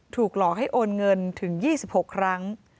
หลอกให้โอนเงินถึง๒๖ครั้ง